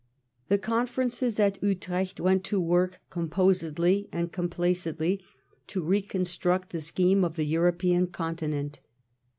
The conferences at Utrecht went to work com posedly and complacently to reconstruct the scheme of the European Continent.